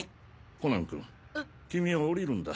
コナンくん君は降りるんだ。